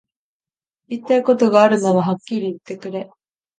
言いたいことがあるならはっきり言ってくれ